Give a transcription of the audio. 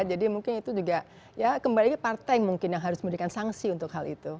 jadi mungkin itu juga ya kembali lagi partai mungkin yang harus memberikan sangsi untuk hal itu